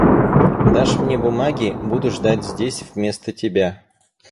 Дашь мне бумаги, буду ждать здесь вместо тебя.